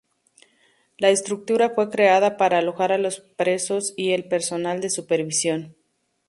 La estructura fue creada para alojar a los presos y el personal de supervisión.